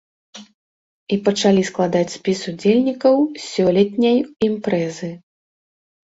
І пачалі складаць спіс удзельнікаў сёлетняй імпрэзы.